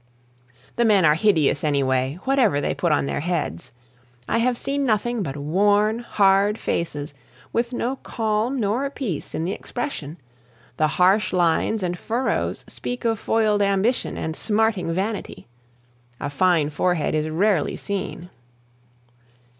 The men are hideous anyway, whatever they put on their heads. I have seen nothing but worn, hard faces, with no calm nor peace in the expression; the harsh lines and furrows speak of foiled ambition and smarting vanity. A fine forehead is rarely seen.